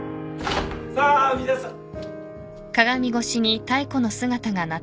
さあ皆さん。